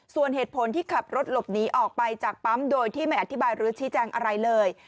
ส่วนเหตุผลที่ขับรถหลบหนีออกไปจากปั๊มโดยที่ไม่อธิบายหรือชี้แจงอะไรเลย